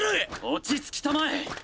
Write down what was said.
落ち着きたまえ！